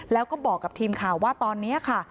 แล้วก็บอกกับทีมข่าวว่าตอนนี้ค่ะ